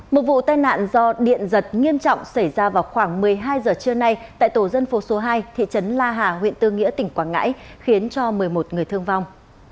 một vụ tai nạn do điện giật nghiêm trọng xảy ra vào khoảng một mươi hai giờ trưa nay tại tổ dân phố số hai thị trấn la hà huyện tư nghĩa tỉnh quảng ngãi khiến cho một mươi một người thương vong